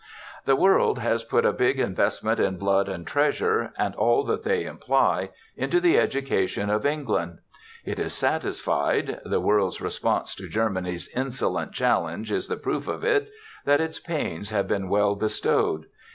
The world has put a big investment in blood and treasure, and all that they imply, into the education of England. It is satisfied the world's response to Germany's insolent challenge is the proof of it that its pains have been well bestowed.